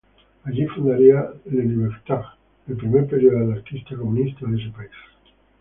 Allí fundaría "Le Libertaire", el primer periódico anarquista-comunista de ese país.